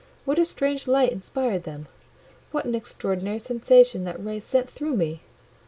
What a strange light inspired them! What an extraordinary sensation that ray sent through me!